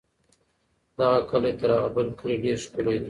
دغه کلی تر هغه بل کلي ډېر ښکلی دی.